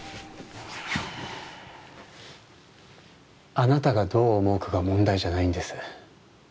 あなたがどう思うかが問題じゃないんです。